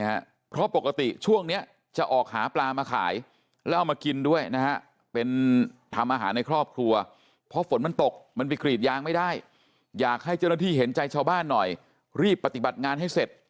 อยากให้เจ้าหน้าที่เห็นใจชาวบ้านหน่อยรีบปฏิบัติงานให้เสร็จ